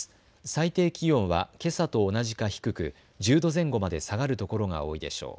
最低気温はけさと同じか低く、１０度前後まで下がる所が多いでしょう。